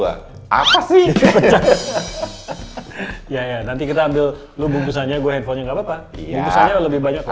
apa sih ya nanti kita ambil lu bungkusannya gua handphonenya nggak apa apa ya lebih banyak